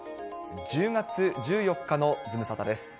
１０月１４日のズムサタです。